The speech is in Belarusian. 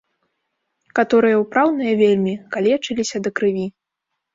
Каторыя ўпраўныя вельмі, калечыліся да крыві.